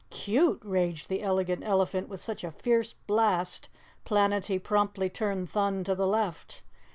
"CUTE!" raged the Elegant Elephant with such a fierce blast Planetty promptly turned Thun to the left.